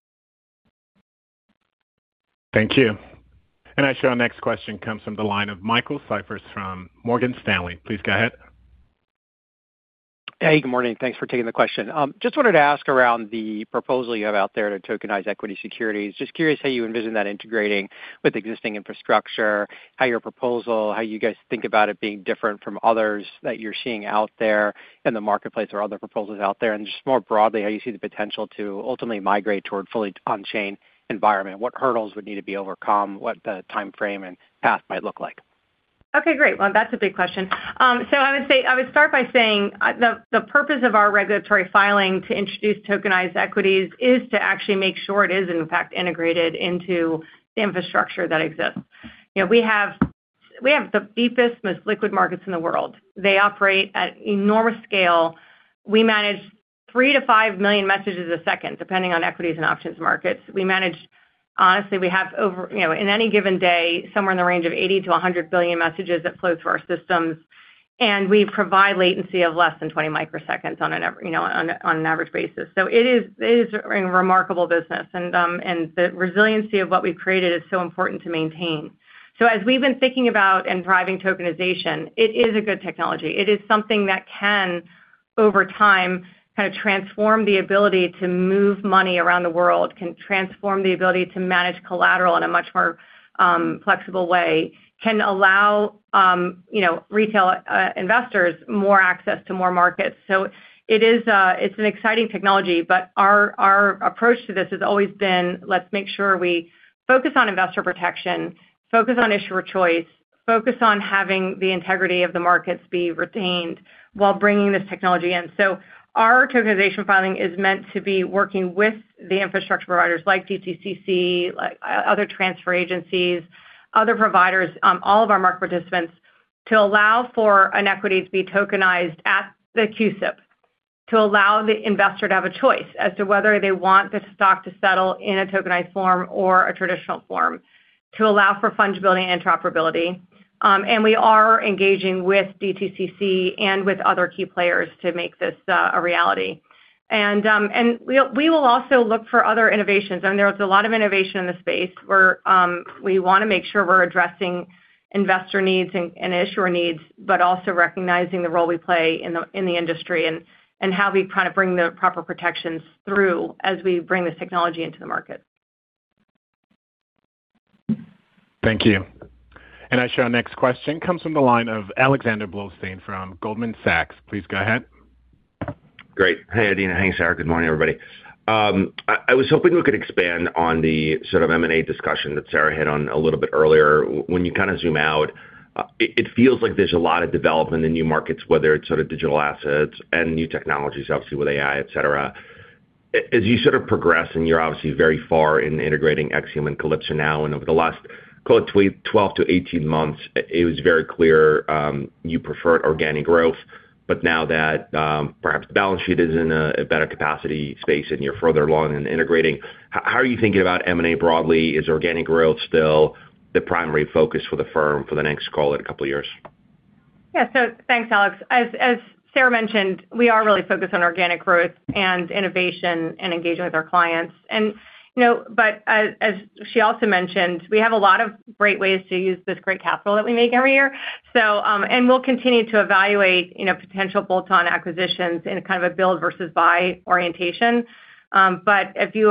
Thank you. And our next question comes from the line of Michael Cyprys from Morgan Stanley. Please go ahead. Hey, good morning. Thanks for taking the question. Just wanted to ask around the proposal you have out there to tokenize equity securities. Just curious how you envision that integrating with existing infrastructure, how your proposal, how you guys think about it being different from others that you're seeing out there in the marketplace or other proposals out there, and just more broadly, how you see the potential to ultimately migrate toward a fully on-chain environment. What hurdles would need to be overcome? What the timeframe and path might look like? Okay. Great. Well, that's a big question. So I would start by saying the purpose of our regulatory filing to introduce tokenized equities is to actually make sure it is, in fact, integrated into the infrastructure that exists. We have the deepest, most liquid markets in the world. They operate at enormous scale. We manage 3 million-5 million messages a second, depending on equities and options markets. Honestly, we have, in any given day, somewhere in the range of 80 billion-100 billion messages that flow through our systems, and we provide latency of less than 20 microseconds on an average basis. So it is a remarkable business, and the resiliency of what we've created is so important to maintain. So as we've been thinking about and driving tokenization, it is a good technology. It is something that can, over time, kind of transform the ability to move money around the world, can transform the ability to manage collateral in a much more flexible way, can allow retail investors more access to more markets. So it's an exciting technology, but our approach to this has always been, let's make sure we focus on investor protection, focus on issuer choice, focus on having the integrity of the markets be retained while bringing this technology in. Our tokenization filing is meant to be working with the infrastructure providers like DTCC, other transfer agencies, other providers, all of our market participants, to allow for an equity to be tokenized at the CUSIP, to allow the investor to have a choice as to whether they want the stock to settle in a tokenized form or a traditional form, to allow for fungibility and interoperability. We are engaging with DTCC and with other key players to make this a reality. We will also look for other innovations. I mean, there's a lot of innovation in the space. We want to make sure we're addressing investor needs and issuer needs, but also recognizing the role we play in the industry and how we kind of bring the proper protections through as we bring this technology into the market. Thank you. Our next question comes from the line of Alexander Blostein from Goldman Sachs. Please go ahead. Great. Hey, Adena. Hey, Sarah. Good morning, everybody. I was hoping we could expand on the sort of M&A discussion that Sarah hit on a little bit earlier. When you kind of zoom out, it feels like there's a lot of development in new markets, whether it's sort of digital assets and new technologies, obviously, with AI, etc. As you sort of progress, and you're obviously very far in integrating AxiomSL and Calypso now, and over the last, call it, 12-18 months, it was very clear you preferred organic growth, but now that perhaps balance sheet is in a better capacity space and you're further along in integrating, how are you thinking about M&A broadly? Is organic growth still the primary focus for the firm for the next, call it, a couple of years? Yeah. So thanks, Alex. As Sarah mentioned, we are really focused on organic growth and innovation and engagement with our clients. But as she also mentioned, we have a lot of great ways to use this great capital that we make every year. And we'll continue to evaluate potential bolt-on acquisitions in kind of a build versus buy orientation. But if you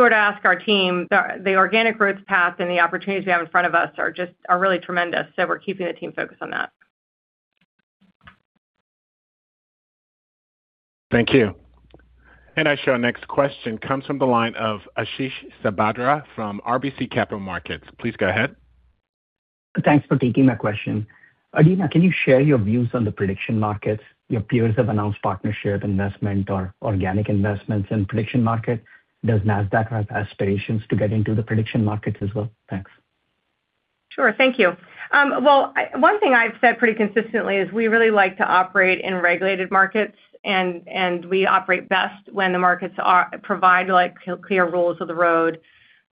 were to ask our team, the organic growth path and the opportunities we have in front of us are really tremendous. So we're keeping the team focused on that. Thank you. And our next question comes from the line of Ashish Sabadra from RBC Capital Markets. Please go ahead. Thanks for taking my question. Adena, can you share your views on the prediction markets? Your peers have announced partnership investment or organic investments in prediction markets. Does Nasdaq have aspirations to get into the prediction markets as well? Thanks. Sure. Thank you. Well, one thing I've said pretty consistently is we really like to operate in regulated markets, and we operate best when the markets provide clear rules of the road.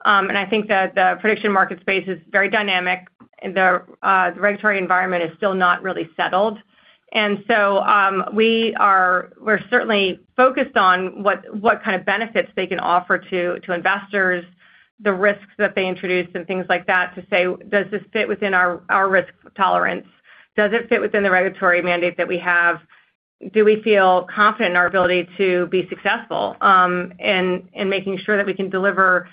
I think that the prediction market space is very dynamic. The regulatory environment is still not really settled. So we're certainly focused on what kind of benefits they can offer to investors, the risks that they introduce, and things like that to say, "Does this fit within our risk tolerance? Does it fit within the regulatory mandate that we have? Do we feel confident in our ability to be successful in making sure that we can deliver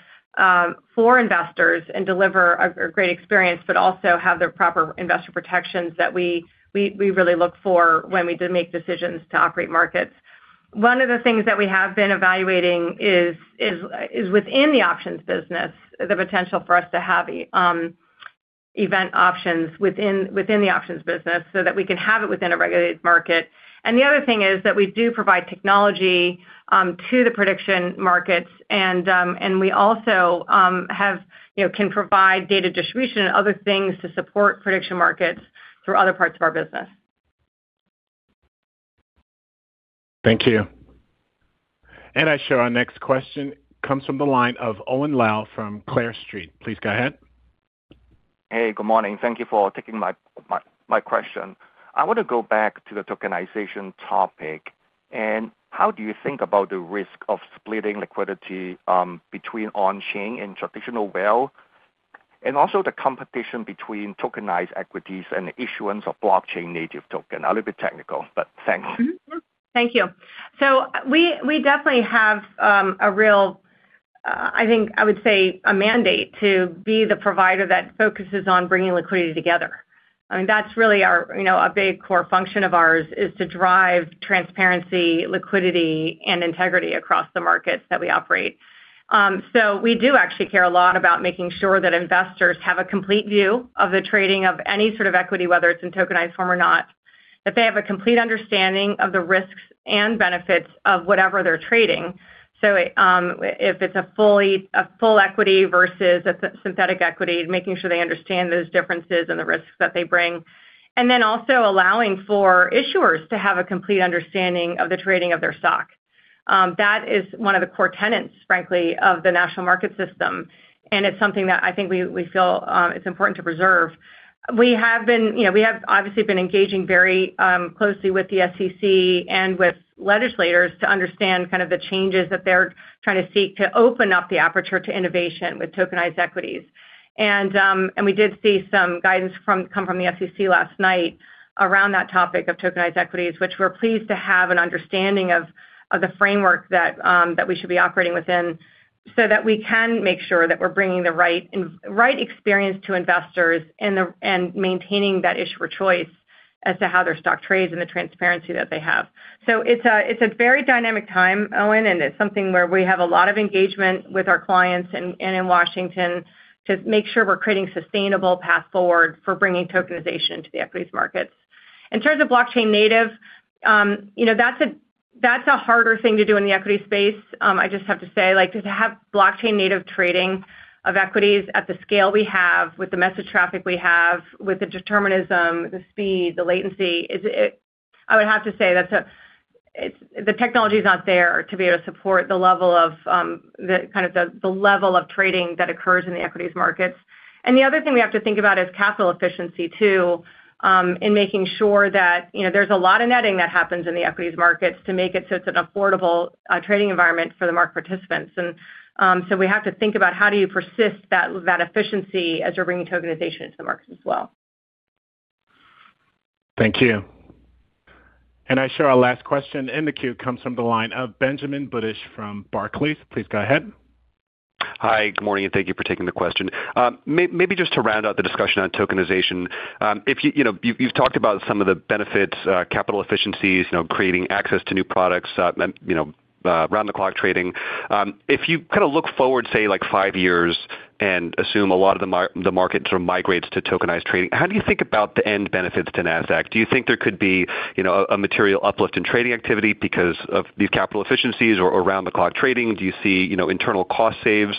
for investors and deliver a great experience, but also have the proper investor protections that we really look for when we do make decisions to operate markets?" One of the things that we have been evaluating is within the options business, the potential for us to have event options within the options business so that we can have it within a regulated market. And the other thing is that we do provide technology to the prediction markets, and we also can provide data distribution and other things to support prediction markets through other parts of our business. Thank you. And I share our next question comes from the line of Owen Lau from Clear Street. Please go ahead. Hey, good morning. Thank you for taking my question. I want to go back to the tokenization topic. How do you think about the risk of splitting liquidity between on-chain and traditional wealth, and also the competition between tokenized equities and the issuance of blockchain native token? A little bit technical, but thanks. Thank you. So we definitely have a real, I think I would say, a mandate to be the provider that focuses on bringing liquidity together. I mean, that's really a big core function of ours is to drive transparency, liquidity, and integrity across the markets that we operate. So we do actually care a lot about making sure that investors have a complete view of the trading of any sort of equity, whether it's in tokenized form or not, that they have a complete understanding of the risks and benefits of whatever they're trading. So if it's a full equity versus a synthetic equity, making sure they understand those differences and the risks that they bring. And then also allowing for issuers to have a complete understanding of the trading of their stock. That is one of the core tenets, frankly, of the national market system, and it's something that I think we feel it's important to preserve. We have obviously been engaging very closely with the SEC and with legislators to understand kind of the changes that they're trying to seek to open up the aperture to innovation with tokenized equities. We did see some guidance come from the SEC last night around that topic of tokenized equities, which we're pleased to have an understanding of the framework that we should be operating within so that we can make sure that we're bringing the right experience to investors and maintaining that issuer choice as to how their stock trades and the transparency that they have. So it's a very dynamic time, Owen, and it's something where we have a lot of engagement with our clients and in Washington to make sure we're creating a sustainable path forward for bringing tokenization to the equities markets. In terms of blockchain native, that's a harder thing to do in the equity space. I just have to say, to have blockchain native trading of equities at the scale we have, with the message traffic we have, with the determinism, the speed, the latency, I would have to say that the technology is not there to be able to support the level of kind of the level of trading that occurs in the equities markets. And the other thing we have to think about is capital efficiency too in making sure that there's a lot of netting that happens in the equities markets to make it so it's an affordable trading environment for the market participants. And so we have to think about how do you persist that efficiency as you're bringing tokenization into the markets as well. Thank you. And our last question in the queue comes from the line of Benjamin Budish from Barclays. Please go ahead. Hi, good morning, and thank you for taking the question. Maybe just to round out the discussion on tokenization, you've talked about some of the benefits, capital efficiencies, creating access to new products, round-the-clock trading. If you kind of look forward, say, like five years and assume a lot of the market sort of migrates to tokenized trading, how do you think about the end benefits to Nasdaq? Do you think there could be a material uplift in trading activity because of these capital efficiencies or round-the-clock trading? Do you see internal cost saves,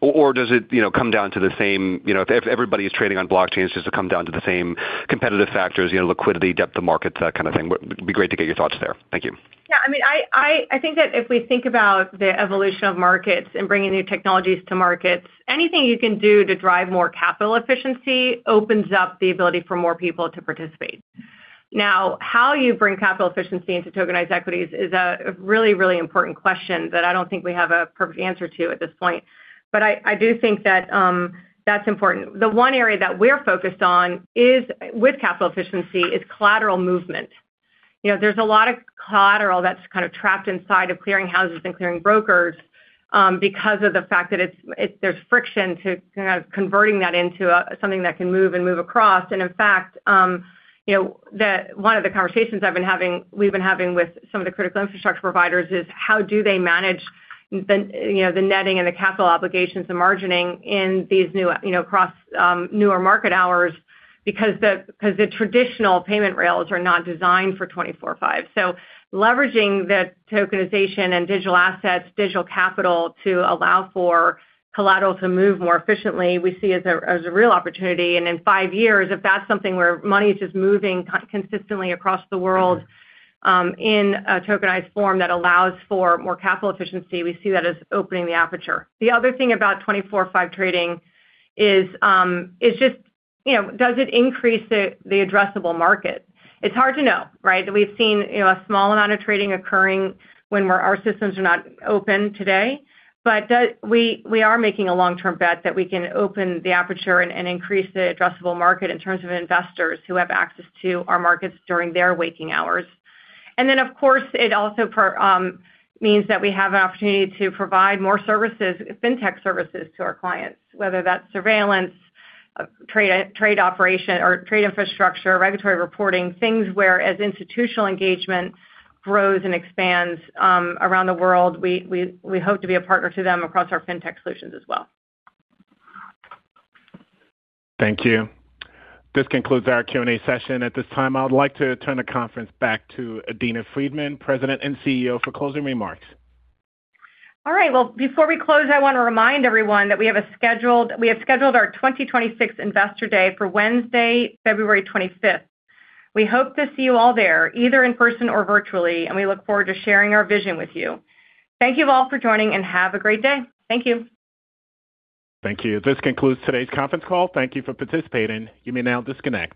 or does it come down to the same if everybody is trading on blockchains, does it come down to the same competitive factors, liquidity, depth of market, that kind of thing? It'd be great to get your thoughts there. Thank you. Yeah. I mean, I think that if we think about the evolution of markets and bringing new technologies to markets, anything you can do to drive more capital efficiency opens up the ability for more people to participate. Now, how you bring capital efficiency into tokenized equities is a really, really important question that I don't think we have a perfect answer to at this point, but I do think that that's important. The one area that we're focused on with capital efficiency is collateral movement. There's a lot of collateral that's kind of trapped inside of clearing houses and clearing brokers because of the fact that there's friction to kind of converting that into something that can move and move across. In fact, one of the conversations we've been having with some of the critical infrastructure providers is how do they manage the netting and the capital obligations and margining in these newer market hours because the traditional payment rails are not designed for 24/5. So leveraging the tokenization and digital assets, digital capital to allow for collateral to move more efficiently, we see as a real opportunity. In five years, if that's something where money is just moving consistently across the world in a tokenized form that allows for more capital efficiency, we see that as opening the aperture. The other thing about 24/5 trading is just, does it increase the addressable market? It's hard to know, right? We've seen a small amount of trading occurring when our systems are not open today, but we are making a long-term bet that we can open the aperture and increase the addressable market in terms of investors who have access to our markets during their waking hours. And then, of course, it also means that we have an opportunity to provide more services, fintech services to our clients, whether that's surveillance, trade operation, or trade infrastructure, regulatory reporting, things where, as institutional engagement grows and expands around the world, we hope to be a partner to them across our fintech solutions as well. Thank you. This concludes our Q&A session. At this time, I would like to turn the conference back to Adena Friedman, President and CEO, for closing remarks. All right. Well, before we close, I want to remind everyone that we have scheduled our 2026 Investor Day for Wednesday, February 25th. We hope to see you all there, either in person or virtually, and we look forward to sharing our vision with you. Thank you all for joining, and have a great day. Thank you. Thank you. This concludes today's conference call. Thank you for participating. You may now disconnect.